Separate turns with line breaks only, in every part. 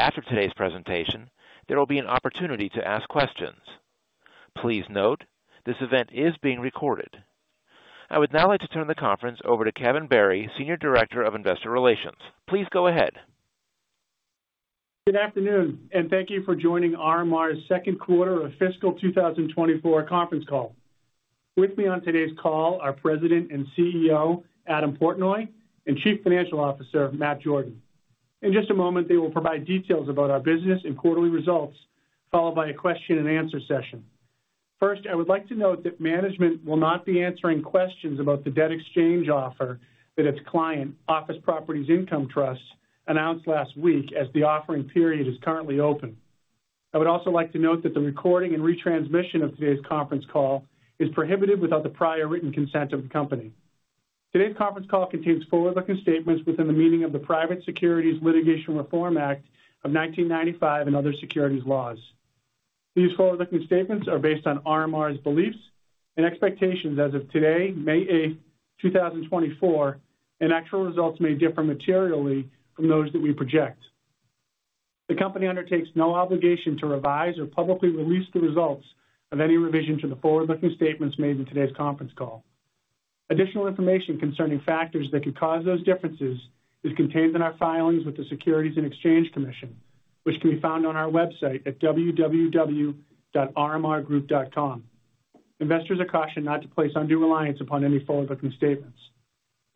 After today's presentation, there will be an opportunity to ask questions. Please note, this event is being recorded. I would now like to turn the conference over to Kevin Barry, Senior Director of Investor Relations. Please go ahead.
Good afternoon, and thank you for joining RMR's second quarter of fiscal 2024 conference call. With me on today's call are President and CEO Adam Portnoy and Chief Financial Officer Matt Jordan. In just a moment, they will provide details about our business and quarterly results, followed by a question-and-answer session. First, I would like to note that management will not be answering questions about the debt exchange offer that its client, Office Properties Income Trust, announced last week as the offering period is currently open. I would also like to note that the recording and retransmission of today's conference call is prohibited without the prior written consent of the company. Today's conference call contains forward-looking statements within the meaning of the Private Securities Litigation Reform Act of 1995 and other securities laws. These forward-looking statements are based on RMR's beliefs and expectations as of today, May 8th, 2024, and actual results may differ materially from those that we project. The company undertakes no obligation to revise or publicly release the results of any revision to the forward-looking statements made in today's conference call. Additional information concerning factors that could cause those differences is contained in our filings with the Securities and Exchange Commission, which can be found on our website at www.rmrgroup.com. Investors are cautioned not to place undue reliance upon any forward-looking statements.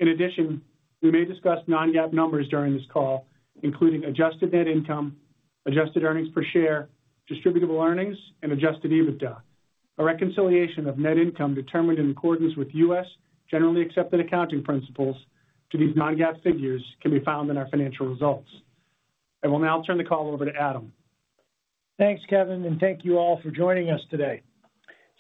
In addition, we may discuss non-GAAP numbers during this call, including Adjusted Net Income, Adjusted Earnings Per Share, Distributable Earnings, and Adjusted EBITDA. A reconciliation of net income determined in accordance with U.S. generally accepted accounting principles to these non-GAAP figures can be found in our financial results. I will now turn the call over to Adam.
Thanks, Kevin, and thank you all for joining us today.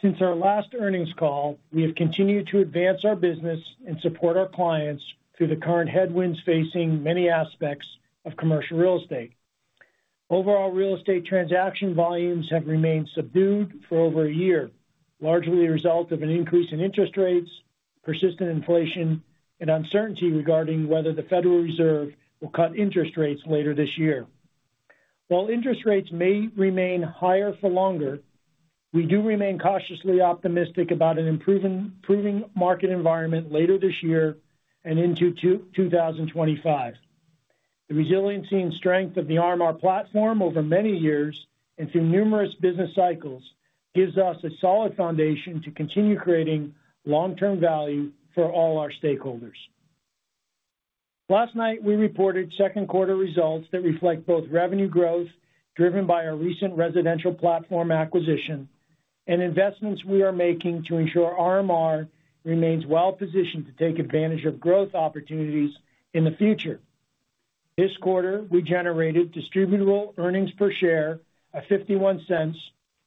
Since our last earnings call, we have continued to advance our business and support our clients through the current headwinds facing many aspects of commercial real estate. Overall, real estate transaction volumes have remained subdued for over a year, largely a result of an increase in interest rates, persistent inflation, and uncertainty regarding whether the Federal Reserve will cut interest rates later this year. While interest rates may remain higher for longer, we do remain cautiously optimistic about an improving market environment later this year and into 2025. The resiliency and strength of the RMR platform over many years and through numerous business cycles gives us a solid foundation to continue creating long-term value for all our stakeholders. Last night, we reported second quarter results that reflect both revenue growth driven by our recent residential platform acquisition and investments we are making to ensure RMR remains well-positioned to take advantage of growth opportunities in the future. This quarter, we generated Distributable Earnings per share of $0.51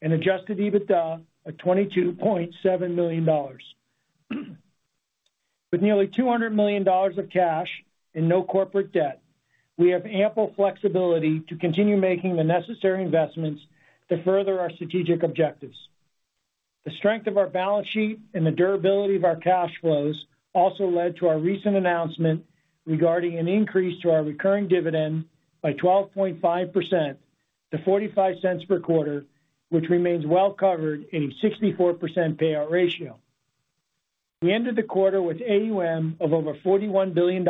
and Adjusted EBITDA of $22.7 million. With nearly $200 million of cash and no corporate debt, we have ample flexibility to continue making the necessary investments to further our strategic objectives. The strength of our balance sheet and the durability of our cash flows also led to our recent announcement regarding an increase to our recurring dividend by 12.5% to $0.45 per quarter, which remains well-covered in a 64% payout ratio. We ended the quarter with AUM of over $41 billion,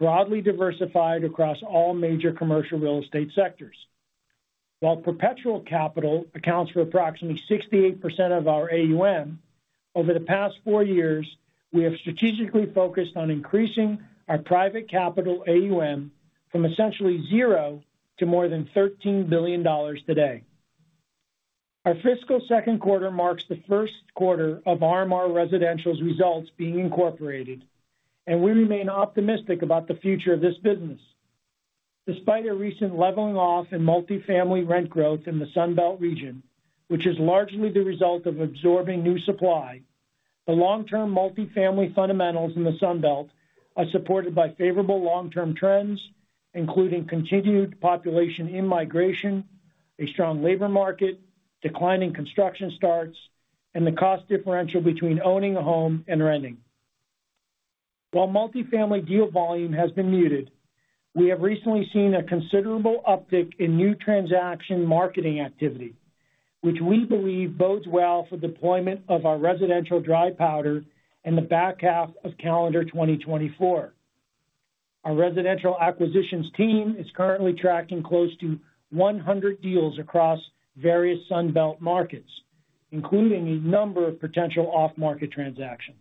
broadly diversified across all major commercial real estate sectors. While perpetual capital accounts for approximately 68% of our AUM, over the past four years, we have strategically focused on increasing our private capital AUM from essentially zero to more than $13 billion today. Our fiscal second quarter marks the first quarter of RMR Residential's results being incorporated, and we remain optimistic about the future of this business. Despite a recent leveling off in multifamily rent growth in the Sunbelt region, which is largely the result of absorbing new supply, the long-term multifamily fundamentals in the Sunbelt are supported by favorable long-term trends, including continued population immigration, a strong labor market, declining construction starts, and the cost differential between owning a home and renting. While multifamily deal volume has been muted, we have recently seen a considerable uptick in new transaction marketing activity, which we believe bodes well for deployment of our residential dry powder in the back half of calendar 2024. Our residential acquisitions team is currently tracking close to 100 deals across various Sunbelt markets, including a number of potential off-market transactions.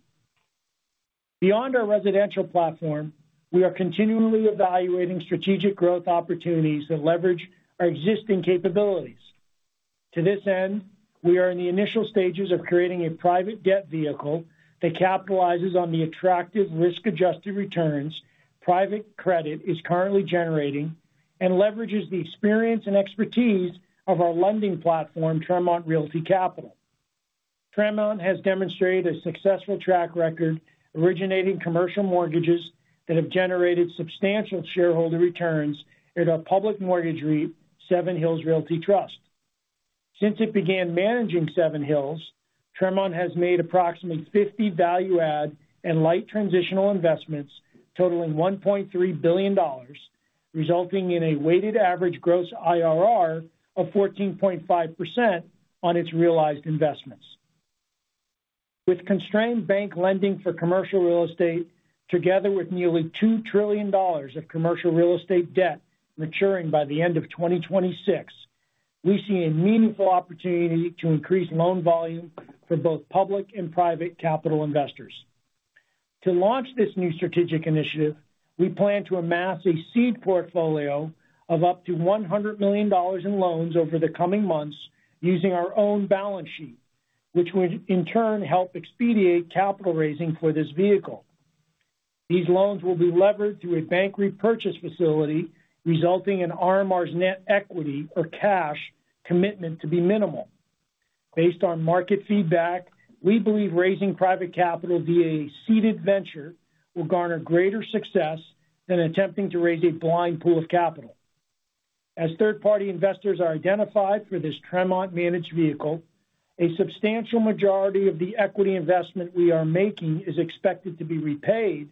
Beyond our residential platform, we are continually evaluating strategic growth opportunities that leverage our existing capabilities. To this end, we are in the initial stages of creating a private debt vehicle that capitalizes on the attractive risk-adjusted returns private credit is currently generating and leverages the experience and expertise of our lending platform, Tremont Realty Capital. Tremont has demonstrated a successful track record originating commercial mortgages that have generated substantial shareholder returns at our public mortgage REIT, Seven Hills Realty Trust. Since it began managing Seven Hills, Tremont has made approximately 50 value-add and light transitional investments totaling $1.3 billion, resulting in a weighted average gross IRR of 14.5% on its realized investments. With constrained bank lending for commercial real estate together with nearly $2 trillion of commercial real estate debt maturing by the end of 2026, we see a meaningful opportunity to increase loan volume for both public and private capital investors. To launch this new strategic initiative, we plan to amass a seed portfolio of up to $100 million in loans over the coming months using our own balance sheet, which would in turn help expedite capital raising for this vehicle. These loans will be levered through a bank repurchase facility, resulting in RMR's net equity, or cash, commitment to be minimal. Based on market feedback, we believe raising private capital via a seeded venture will garner greater success than attempting to raise a blind pool of capital. As third-party investors are identified for this Tremont-managed vehicle, a substantial majority of the equity investment we are making is expected to be repaid,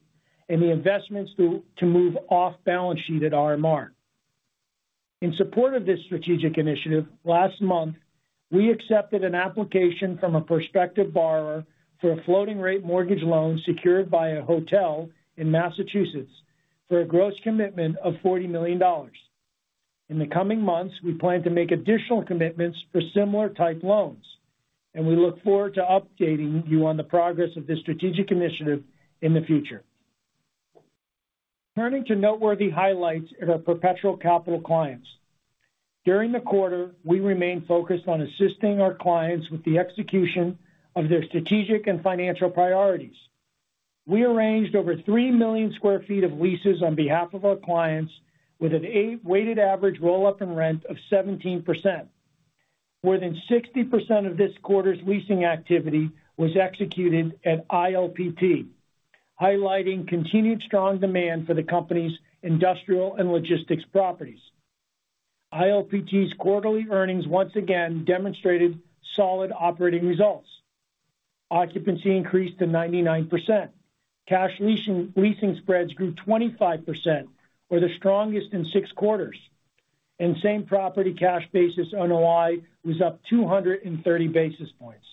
and the investments due to move off-balance sheet at RMR. In support of this strategic initiative, last month, we accepted an application from a prospective borrower for a floating-rate mortgage loan secured by a hotel in Massachusetts for a gross commitment of $40 million. In the coming months, we plan to make additional commitments for similar-type loans, and we look forward to updating you on the progress of this strategic initiative in the future. Turning to noteworthy highlights at our perpetual capital clients. During the quarter, we remained focused on assisting our clients with the execution of their strategic and financial priorities. We arranged over 3 million sq ft of leases on behalf of our clients with a weighted average roll-up in rent of 17%. More than 60% of this quarter's leasing activity was executed at ILPT, highlighting continued strong demand for the company's industrial and logistics properties. ILPT's quarterly earnings once again demonstrated solid operating results. Occupancy increased to 99%. Cash leasing spreads grew 25%, with the strongest in six quarters. Same property cash basis NOI was up 230 basis points.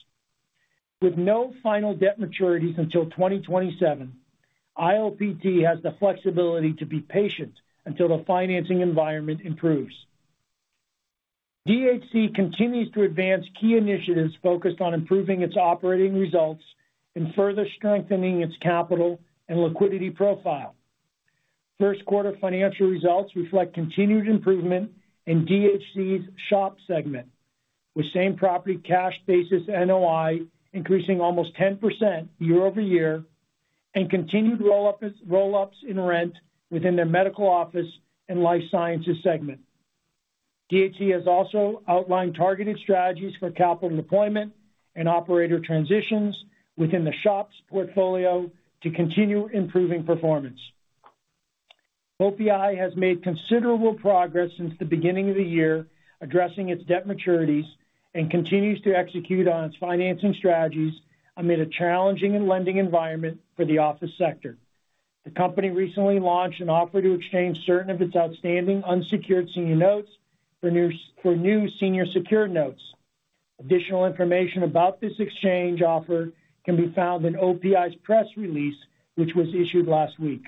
With no final debt maturities until 2027, ILPT has the flexibility to be patient until the financing environment improves. DHC continues to advance key initiatives focused on improving its operating results and further strengthening its capital and liquidity profile. First quarter financial results reflect continued improvement in DHC's SHOP segment, with same property cash basis NOI increasing almost 10% year-over-year and continued roll-ups in rent within their medical office and life sciences segment. DHC has also outlined targeted strategies for capital deployment and operator transitions within the SHOP portfolio to continue improving performance. OPI has made considerable progress since the beginning of the year addressing its debt maturities and continues to execute on its financing strategies amid a challenging lending environment for the office sector. The company recently launched an offer to exchange certain of its outstanding unsecured senior notes for new senior secured notes. Additional information about this exchange offer can be found in OPI's press release, which was issued last week.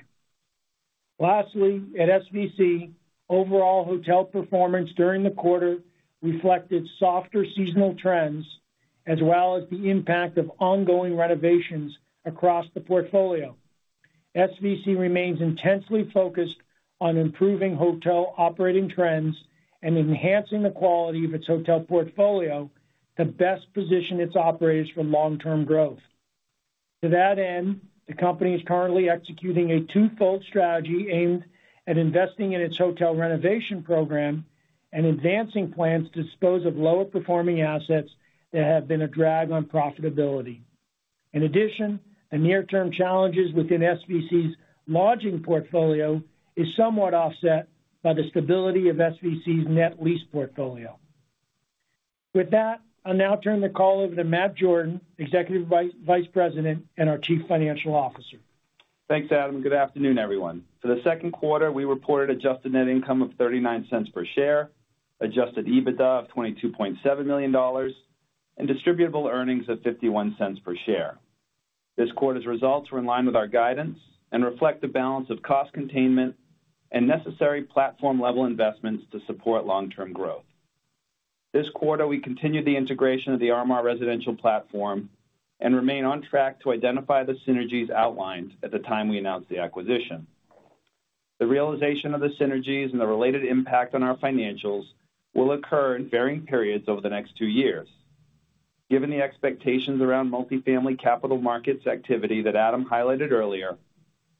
Lastly, at SVC, overall hotel performance during the quarter reflected softer seasonal trends as well as the impact of ongoing renovations across the portfolio. SVC remains intensely focused on improving hotel operating trends and enhancing the quality of its hotel portfolio to best position its operators for long-term growth. To that end, the company is currently executing a two-fold strategy aimed at investing in its hotel renovation program and advancing plans to dispose of lower-performing assets that have been a drag on profitability. In addition, the near-term challenges within SVC's lodging portfolio are somewhat offset by the stability of SVC's net lease portfolio. With that, I'll now turn the call over to Matt Jordan, Executive Vice President and our Chief Financial Officer.
Thanks, Adam. Good afternoon, everyone. For the second quarter, we reported adjusted net income of $0.39 per share, adjusted EBITDA of $22.7 million, and distributable earnings of $0.51 per share. This quarter's results were in line with our guidance and reflect the balance of cost containment and necessary platform-level investments to support long-term growth. This quarter, we continue the integration of the RMR Residential platform and remain on track to identify the synergies outlined at the time we announced the acquisition. The realization of the synergies and the related impact on our financials will occur in varying periods over the next two years. Given the expectations around multifamily capital markets activity that Adam highlighted earlier,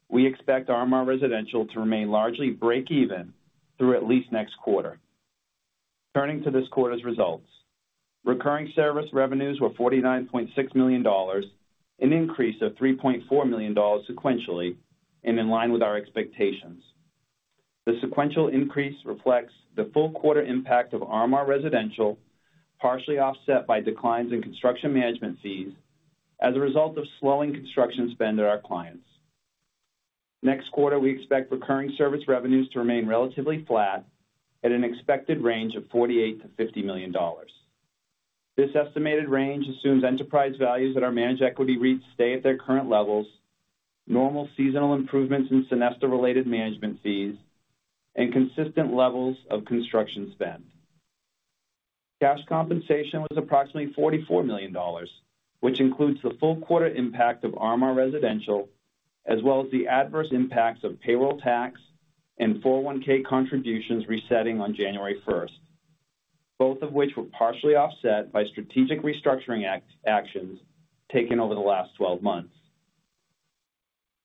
we expect RMR Residential to remain largely break-even through at least next quarter. Turning to this quarter's results. Recurring service revenues were $49.6 million, an increase of $3.4 million sequentially and in line with our expectations. The sequential increase reflects the full quarter impact of RMR Residential, partially offset by declines in construction management fees as a result of slowing construction spend at our clients. Next quarter, we expect recurring service revenues to remain relatively flat at an expected range of $48 million-$50 million. This estimated range assumes enterprise values at our managed equity REITs stay at their current levels, normal seasonal improvements in Sonesta-related management fees, and consistent levels of construction spend. Cash compensation was approximately $44 million, which includes the full quarter impact of RMR Residential as well as the adverse impacts of payroll tax and 401(k) contributions resetting on January 1st, both of which were partially offset by strategic restructuring actions taken over the last 12 months.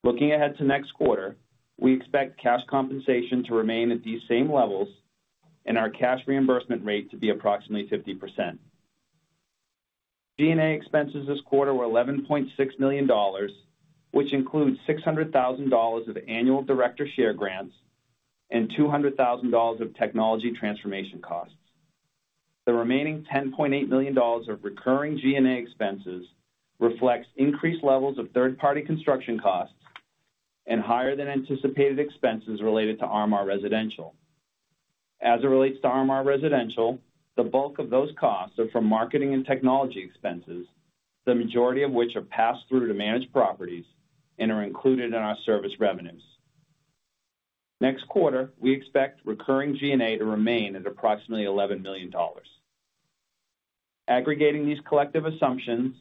Looking ahead to next quarter, we expect cash compensation to remain at these same levels and our cash reimbursement rate to be approximately 50%. G&A expenses this quarter were $11.6 million, which includes $600,000 of annual director share grants and $200,000 of technology transformation costs. The remaining $10.8 million of recurring G&A expenses reflects increased levels of third-party construction costs and higher-than-anticipated expenses related to RMR Residential. As it relates to RMR Residential, the bulk of those costs are from marketing and technology expenses, the majority of which are passed through to managed properties and are included in our service revenues. Next quarter, we expect recurring G&A to remain at approximately $11 million. Aggregating these collective assumptions,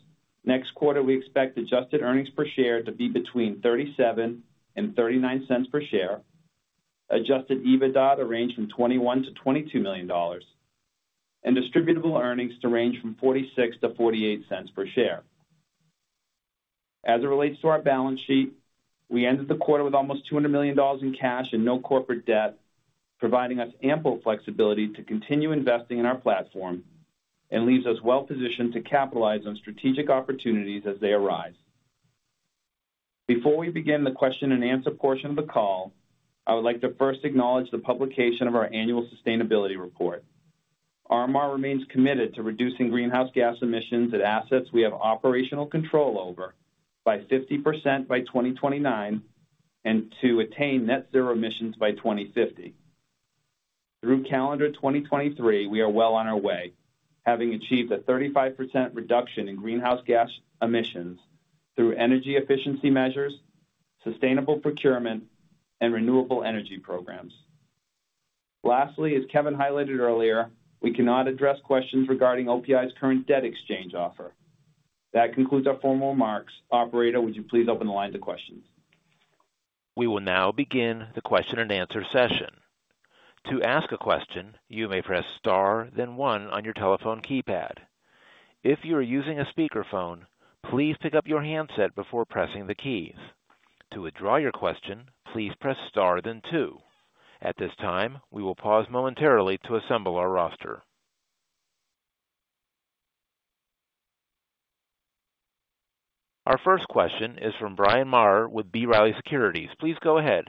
next quarter we expect adjusted earnings per share to be between $0.37 and $0.39 per share, adjusted EBITDA to range from $21 million-$22 million, and distributable earnings to range from $0.46-$0.48 per share. As it relates to our balance sheet, we ended the quarter with almost $200 million in cash and no corporate debt, providing us ample flexibility to continue investing in our platform and leaves us well-positioned to capitalize on strategic opportunities as they arise. Before we begin the question-and-answer portion of the call, I would like to first acknowledge the publication of our annual sustainability report. RMR remains committed to reducing greenhouse gas emissions at assets we have operational control over by 50% by 2029 and to attain net-zero emissions by 2050. Through calendar 2023, we are well on our way, having achieved a 35% reduction in greenhouse gas emissions through energy efficiency measures, sustainable procurement, and renewable energy programs. Lastly, as Kevin highlighted earlier, we cannot address questions regarding OPI's current debt exchange offer. That concludes our formal remarks. Operator, would you please open the line to questions?
We will now begin the question-and-answer session. To ask a question, you may press star, then 1 on your telephone keypad. If you are using a speakerphone, please pick up your handset before pressing the keys. To withdraw your question, please press star, then two. At this time, we will pause momentarily to assemble our roster. Our first question is from Bryan Maher with B. Riley Securities. Please go ahead.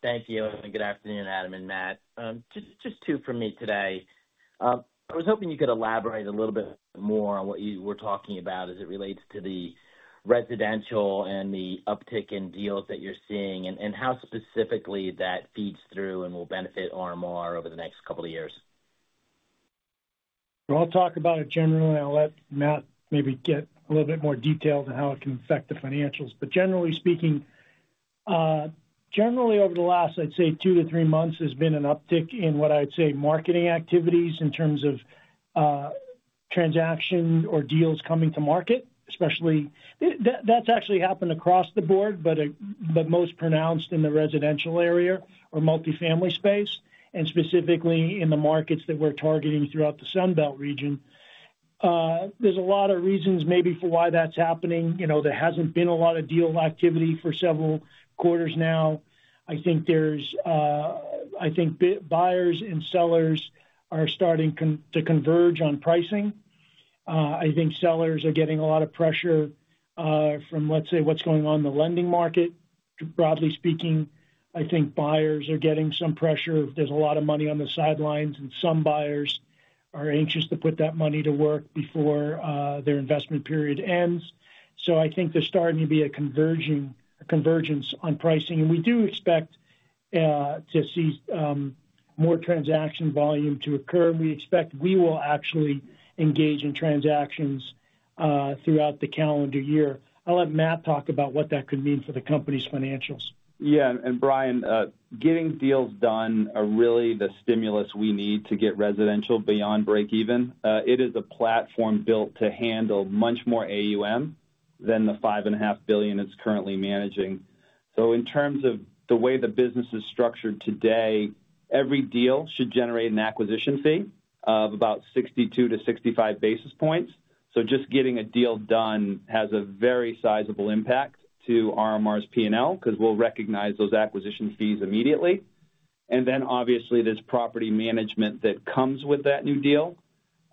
Thank you. And good afternoon, Adam and Matt. Just two from me today. I was hoping you could elaborate a little bit more on what you were talking about as it relates to the residential and the uptick in deals that you're seeing and how specifically that feeds through and will benefit RMR over the next couple of years.
Well, I'll talk about it generally, and I'll let Matt maybe get a little bit more detailed on how it can affect the financials. But generally speaking, generally over the last, I'd say, two to three months, there's been an uptick in what I would say marketing activities in terms of transaction or deals coming to market, especially that's actually happened across the board, but most pronounced in the residential area or multifamily space and specifically in the markets that we're targeting throughout the Sunbelt region. There's a lot of reasons maybe for why that's happening. There hasn't been a lot of deal activity for several quarters now. I think buyers and sellers are starting to converge on pricing. I think sellers are getting a lot of pressure from, let's say, what's going on in the lending market. Broadly speaking, I think buyers are getting some pressure. There's a lot of money on the sidelines, and some buyers are anxious to put that money to work before their investment period ends. I think there's starting to be a convergence on pricing. We do expect to see more transaction volume to occur. We expect we will actually engage in transactions throughout the calendar year. I'll let Matt talk about what that could mean for the company's financials.
Yeah. Bryan, getting deals done are really the stimulus we need to get residential beyond break-even. It is a platform built to handle much more AUM than the $5.5 billion it's currently managing. In terms of the way the business is structured today, every deal should generate an acquisition fee of about 62-65 basis points. Just getting a deal done has a very sizable impact to RMR's P&L because we'll recognize those acquisition fees immediately. Then obviously, there's property management that comes with that new deal.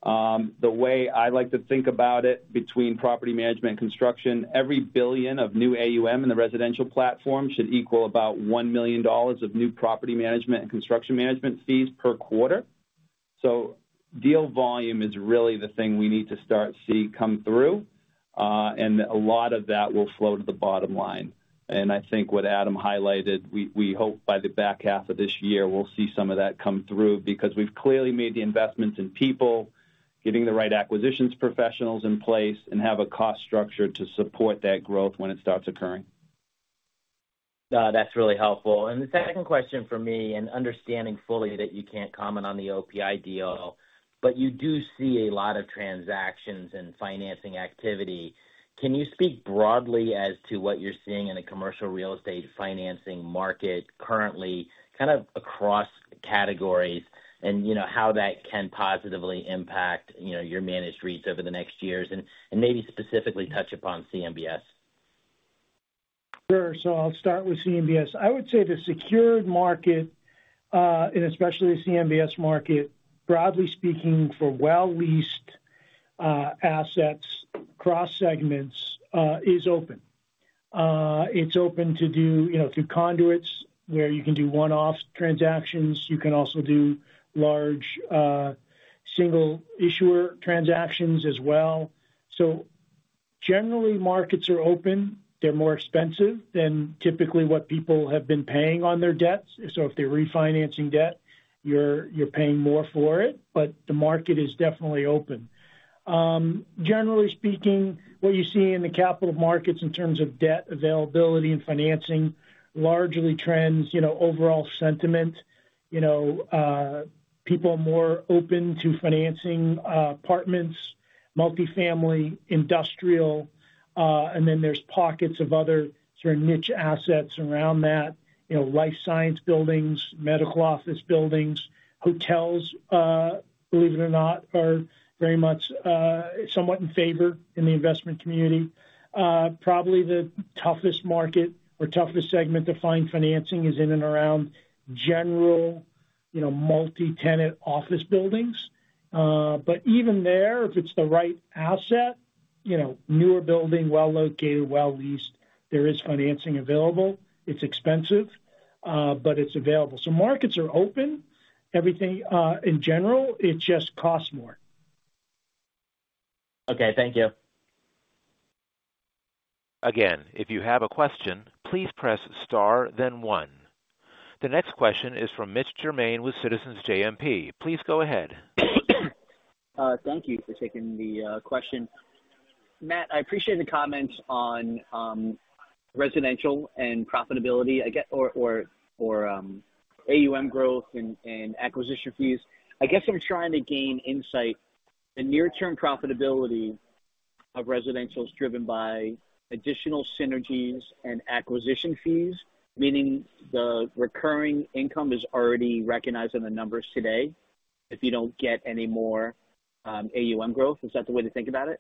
The way I like to think about it between property management and construction, every $1 billion of new AUM in the residential platform should equal about $1 million of new property management and construction management fees per quarter. So deal volume is really the thing we need to start to see come through, and a lot of that will flow to the bottom line. And I think what Adam highlighted, we hope by the back half of this year, we'll see some of that come through because we've clearly made the investments in people, getting the right acquisitions professionals in place, and have a cost structure to support that growth when it starts occurring.
That's really helpful. And the second question for me, understanding fully that you can't comment on the OPI deal, but you do see a lot of transactions and financing activity. Can you speak broadly as to what you're seeing in the commercial real estate financing market currently kind of across categories and how that can positively impact your managed REITs over the next years and maybe specifically touch upon CMBS?
Sure. So I'll start with CMBS. I would say the secured market and especially the CMBS market, broadly speaking, for well-leased assets across segments is open. It's open to do through conduits where you can do one-off transactions. You can also do large single-issuer transactions as well. So generally, markets are open. They're more expensive than typically what people have been paying on their debts. So if they're refinancing debt, you're paying more for it. But the market is definitely open. Generally speaking, what you see in the capital markets in terms of debt availability and financing largely trends overall sentiment. People are more open to financing apartments, multifamily, industrial. And then there's pockets of other sort of niche assets around that: life science buildings, medical office buildings. Hotels, believe it or not, are very much somewhat in favor in the investment community. Probably the toughest market or toughest segment to find financing is in and around general multi-tenant office buildings. But even there, if it's the right asset, newer building, well-located, well-leased, there is financing available. It's expensive, but it's available. So markets are open. In general, it just costs more.
Okay. Thank you.
Again, if you have a question, please press star, then one. The next question is from Mitch Germain with Citizens JMP. Please go ahead.
Thank you for taking the question. Matt, I appreciate the comments on residential and profitability or AUM growth and acquisition fees. I guess I'm trying to gain insight. The near-term profitability of residential is driven by additional synergies and acquisition fees, meaning the recurring income is already recognized in the numbers today if you don't get any more AUM growth. Is that the way to think about it?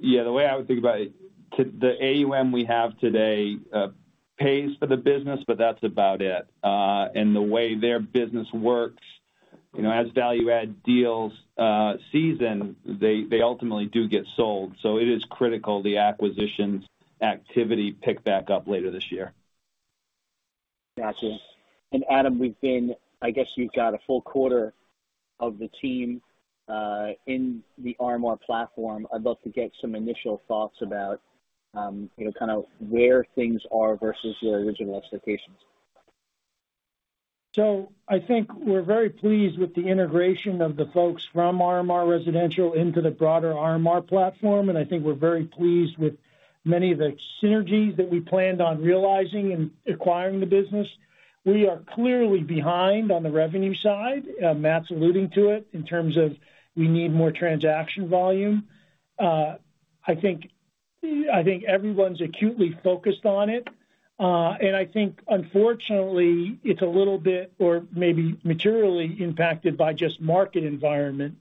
Yeah. The way I would think about it, the AUM we have today pays for the business, but that's about it. The way their business works, as value-add deals season, they ultimately do get sold. It is critical the acquisitions activity pick back up later this year.
Gotcha. And Adam, I guess you've got a full quarter of the team in the RMR platform. I'd love to get some initial thoughts about kind of where things are versus your original expectations.
So I think we're very pleased with the integration of the folks from RMR Residential into the broader RMR platform. And I think we're very pleased with many of the synergies that we planned on realizing in acquiring the business. We are clearly behind on the revenue side. Matt's alluding to it in terms of we need more transaction volume. I think everyone's acutely focused on it. And I think, unfortunately, it's a little bit or maybe materially impacted by just market environment.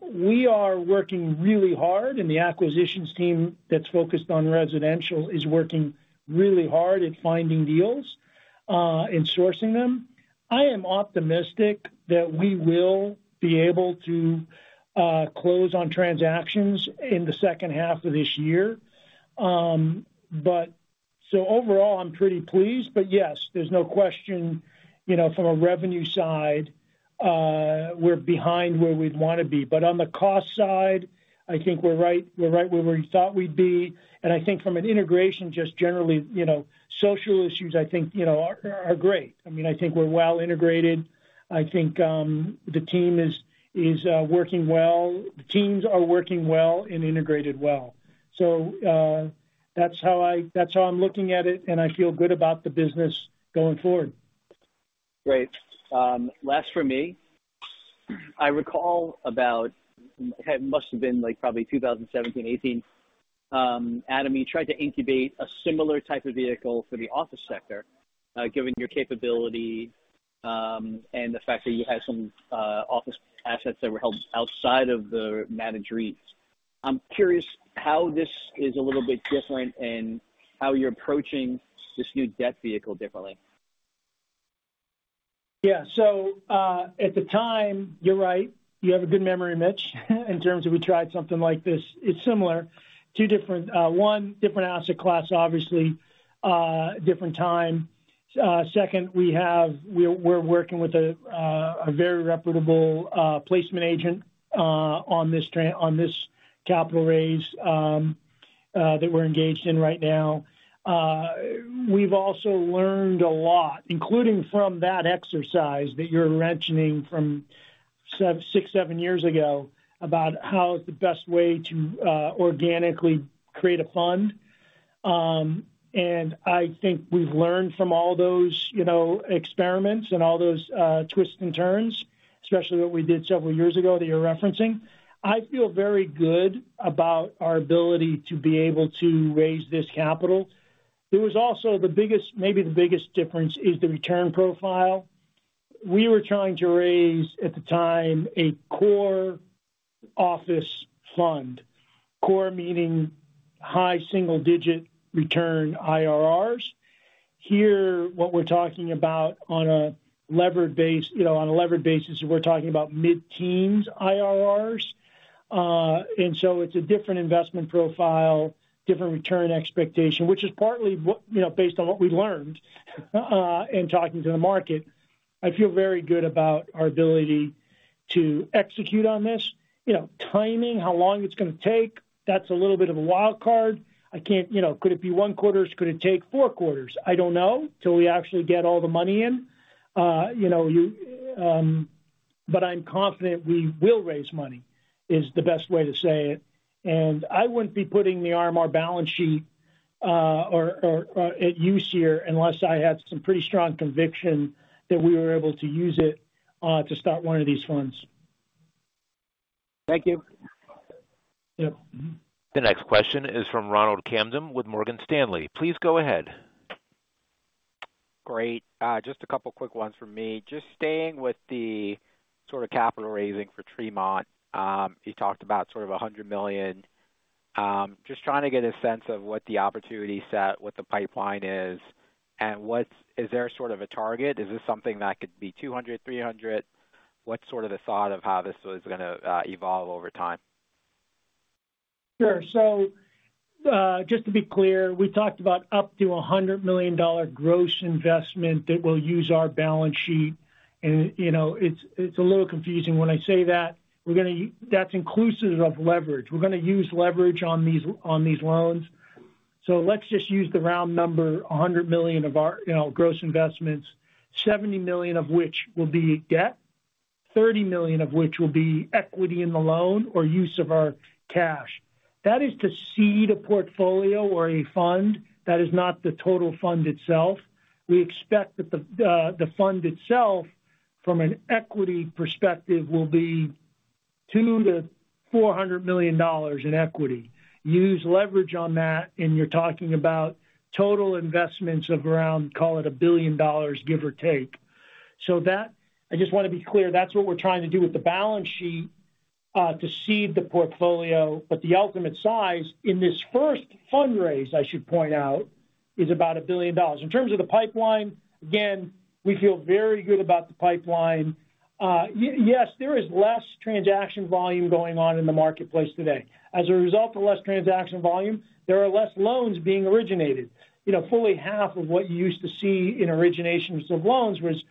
We are working really hard, and the acquisitions team that's focused on residential is working really hard at finding deals and sourcing them. I am optimistic that we will be able to close on transactions in the second half of this year. So overall, I'm pretty pleased. But yes, there's no question from a revenue side, we're behind where we'd want to be. But on the cost side, I think we're right where we thought we'd be. And I think from an integration, just generally, social issues, I think, are great. I mean, I think we're well-integrated. I think the team is working well. The teams are working well and integrated well. So that's how I'm looking at it, and I feel good about the business going forward.
Great. Last for me. I recall about it must have been probably 2017, 2018. Adam, you tried to incubate a similar type of vehicle for the office sector given your capability and the fact that you had some office assets that were held outside of the managed REITs. I'm curious how this is a little bit different and how you're approaching this new debt vehicle differently.
Yeah. So at the time, you're right. You have a good memory, Mitch, in terms of we tried something like this. It's similar. One, different asset class, obviously, different time. Second, we're working with a very reputable placement agent on this capital raise that we're engaged in right now. We've also learned a lot, including from that exercise that you're mentioning from six, seven years ago about how is the best way to organically create a fund. And I think we've learned from all those experiments and all those twists and turns, especially what we did several years ago that you're referencing. I feel very good about our ability to be able to raise this capital. Maybe the biggest difference is the return profile. We were trying to raise at the time a core office fund, core meaning high single-digit return IRRs. Here, what we're talking about on a levered basis is we're talking about mid-teens IRRs. And so it's a different investment profile, different return expectation, which is partly based on what we learned in talking to the market. I feel very good about our ability to execute on this. Timing, how long it's going to take, that's a little bit of a wild card. Could it be one quarters? Could it take four quarters? I don't know till we actually get all the money in. But I'm confident we will raise money is the best way to say it. And I wouldn't be putting the RMR balance sheet at use here unless I had some pretty strong conviction that we were able to use it to start one of these funds.
Thank you.
The next question is from Ronald Kamdem with Morgan Stanley. Please go ahead.
Great. Just a couple of quick ones from me. Just staying with the sort of capital raising for Tremont, you talked about sort of $100 million. Just trying to get a sense of what the opportunity set, what the pipeline is. And is there sort of a target? Is this something that could be $200 million, $300 million? What's sort of the thought of how this is going to evolve over time?
Sure. So just to be clear, we talked about up to $100 million gross investment that will use our balance sheet. And it's a little confusing when I say that. That's inclusive of leverage. We're going to use leverage on these loans. So let's just use the round number, $100 million of our gross investments, $70 million of which will be debt, $30 million of which will be equity in the loan or use of our cash. That is to seed a portfolio or a fund that is not the total fund itself. We expect that the fund itself, from an equity perspective, will be $2 million-$400 million in equity. Use leverage on that, and you're talking about total investments of around, call it, $1 billion, give or take. So I just want to be clear. That's what we're trying to do with the balance sheet to seed the portfolio. But the ultimate size in this first fundraise, I should point out, is about $1 billion. In terms of the pipeline, again, we feel very good about the pipeline. Yes, there is less transaction volume going on in the marketplace today. As a result of less transaction volume, there are less loans being originated. Fully half of what you used to see in originations of loans was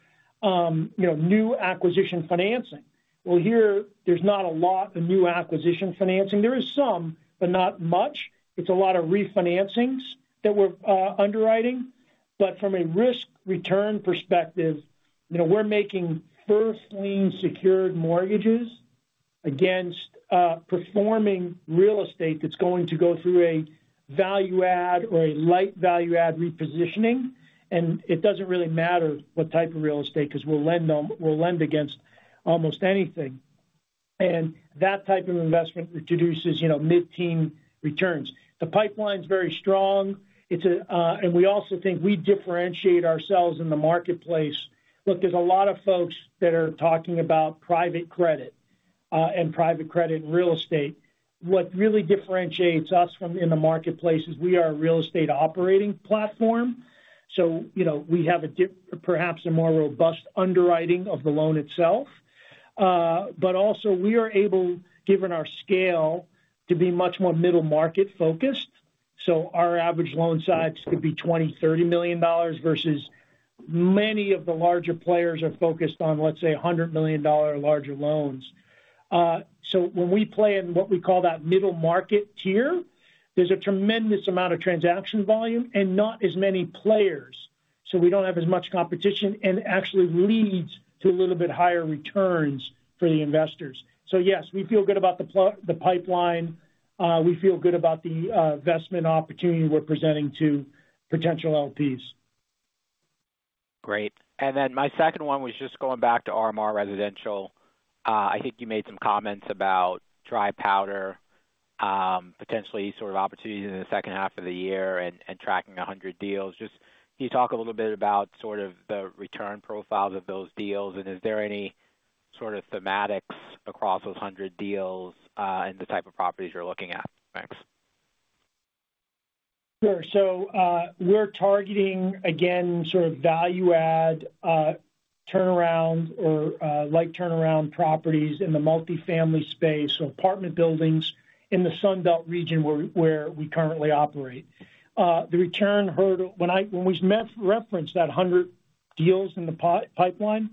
new acquisition financing. Well, here, there's not a lot of new acquisition financing. There is some, but not much. It's a lot of refinancings that we're underwriting. But from a risk-return perspective, we're making first-lien secured mortgages against performing real estate that's going to go through a value-add or a light value-add repositioning. It doesn't really matter what type of real estate because we'll lend against almost anything. That type of investment reduces mid-team returns. The pipeline's very strong. We also think we differentiate ourselves in the marketplace. Look, there's a lot of folks that are talking about private credit and private credit and real estate. What really differentiates us from in the marketplace is we are a real estate operating platform. So we have perhaps a more robust underwriting of the loan itself. But also, we are able, given our scale, to be much more middle-market focused. So our average loan size could be $20 million-$30 million versus many of the larger players are focused on, let's say, $100 million larger loans. So when we play in what we call that middle-market tier, there's a tremendous amount of transaction volume and not as many players. So we don't have as much competition and actually leads to a little bit higher returns for the investors. So yes, we feel good about the pipeline. We feel good about the investment opportunity we're presenting to potential LPs.
Great. And then my second one was just going back to RMR Residential. I think you made some comments about dry powder, potentially sort of opportunities in the second half of the year and tracking 100 deals. Can you talk a little bit about sort of the return profiles of those deals? And is there any sort of thematics across those 100 deals and the type of properties you're looking at? Thanks.
Sure. So we're targeting, again, sort of value-add turnaround or light turnaround properties in the multifamily space, so apartment buildings in the Sunbelt region where we currently operate. The return hurdle when we reference that 100 deals in the pipeline,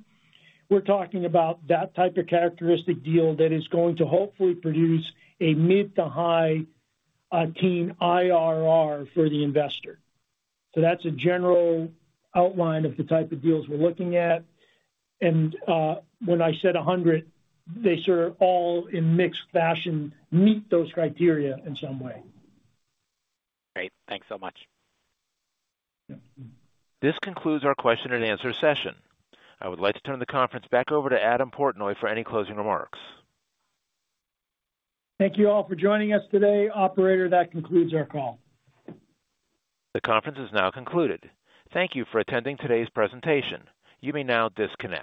we're talking about that type of characteristic deal that is going to hopefully produce a mid- to high-teen IRR for the investor. So that's a general outline of the type of deals we're looking at. And when I said 100, they sort of all in mixed fashion meet those criteria in some way.
Great. Thanks so much.
This concludes our question-and-answer session. I would like to turn the conference back over to Adam Portnoy for any closing remarks.
Thank you all for joining us today. Operator, that concludes our call.
The conference is now concluded. Thank you for attending today's presentation. You may now disconnect.